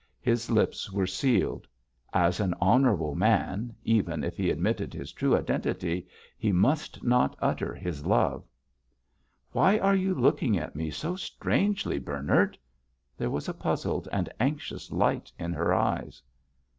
His lips were sealed. As an honourable man, even if he admitted his true identity, he must not utter his love. "Why are you looking at me so strangely, Bernard?" There was a puzzled and anxious light in her eyes.